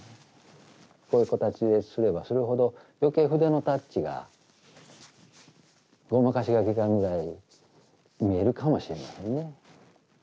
こういう形ですればするほど余計筆のタッチがごまかしが利かんぐらい見えるかもしれないですね。